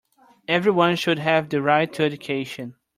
Everyone should have the right to education.